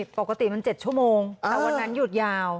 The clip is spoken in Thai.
ปกติมัน๗ชั่วโมงแต่วันนั้นหยุดยาว